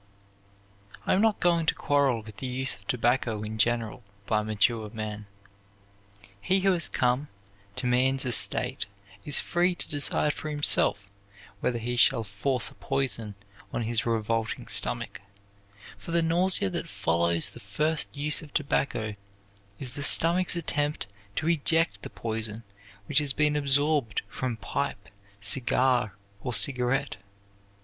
I am not going to quarrel with the use of tobacco in general by mature men. He who has come to man's estate is free to decide for himself whether he shall force a poison on his revolting stomach; for the nausea that follows the first use of tobacco is the stomach's attempt to eject the poison which has been absorbed from pipe, cigar, or cigarette.